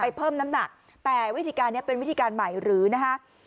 เพิ่มน้ำหนักแต่วิธีการนี้เป็นวิธีการใหม่หรือนะฮะ